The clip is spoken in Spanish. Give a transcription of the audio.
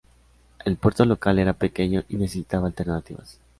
El puerto local era pequeño y necesitaba alternativas.